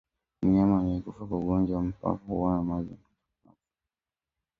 Mnyama aliyekufa kwa ugonjwa wa mapafu huwa na maji kwenye mapafu